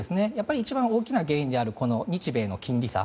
一番大きな原因である日米の金利差。